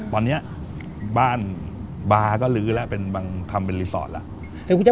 ตอนนี้บ้านบาร์ก็ลื้อแล้วทำเป็นรีสอร์ทละ